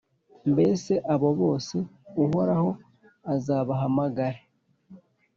mbese abo bose Uhoraho azabahamagare?.